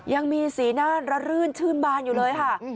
ยังมีสีหน้าระรื่นชื่นบานอยู่เลยค่ะ